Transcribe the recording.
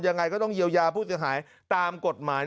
ยังไงก็ต้องเยียวยาผู้เสียหายตามกฎหมาย